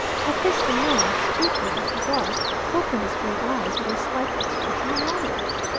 At this the man, stupid as he was, opened his great eyes with a slight expression of wonder.